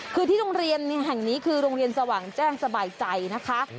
คือที่โรงเรียนแห่งนี้คือโรงเรียนสว่างแจ้งสบายใจนะคะ